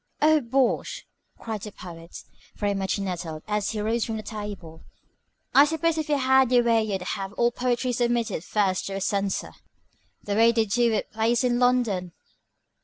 "Oh, bosh!" cried the Poet, very much nettled, as he rose from the table. "I suppose if you had your way you'd have all poetry submitted first to a censor, the way they do with plays in London."